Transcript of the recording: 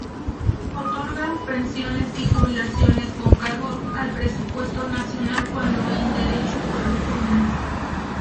Otorgar pensiones y jubilaciones con cargo al presupuesto nacional, cuando en derecho correspondan.